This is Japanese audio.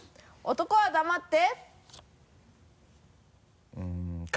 男は黙って